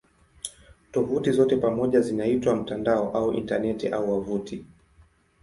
Tovuti zote pamoja zinaitwa "mtandao" au "Intaneti" au "wavuti".